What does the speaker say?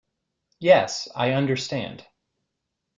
Yes, I understand.